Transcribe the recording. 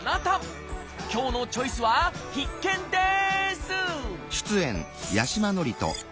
今日の「チョイス」は必見です！